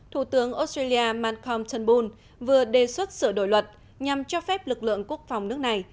thủ tướng australia malcom tanbul vừa đề xuất sửa đổi luật nhằm cho phép lực lượng quốc phòng nước này